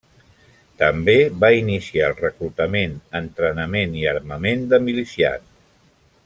També va iniciar el reclutament, entrenament i armament de milicians.